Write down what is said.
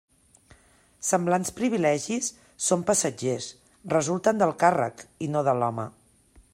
Semblants privilegis són passatgers; resulten del càrrec i no de l'home.